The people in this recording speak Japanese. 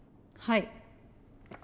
はい。